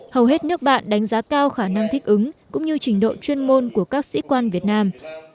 hầu hết nước bạn đánh giá cao khả năng thích ứng cũng như trình độ chuyên môn của các sĩ quan việt nam